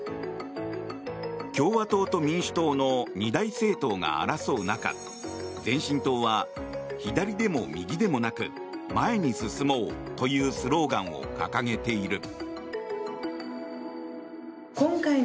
共和党と民主党の二大政党が争う中、前進党は左でも右でもなく前に進もうというスローガンを掲げている。